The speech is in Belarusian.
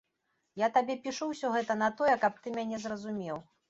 Я табе пішу ўсё гэта на тое, каб ты мяне зразумеў.